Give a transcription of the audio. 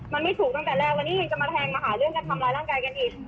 มันไม่ถูกตั้งแต่แรกวันนี้ยังจะมาแทงมาหาเรื่องกันทำร้ายร่างกายกันอีก